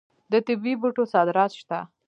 د طبي بوټو صادرات شته.